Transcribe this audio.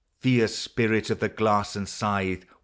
Fierce spirit of the glass and scythe